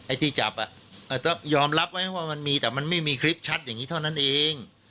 ไอ้ที่จับอ่ะย้อมรับไว้ก็ยังงั้นมีแต่ไม่มีคลิปชัดอย่างนี้เท่านั้นเอง